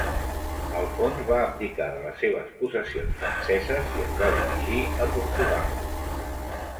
Alfons va abdicar de les seves possessions franceses i es va dirigir a Portugal.